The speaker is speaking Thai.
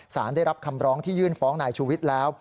สารได้รับคำร้องที่ยื่นฟ้องนายชูวิทย์แล้ว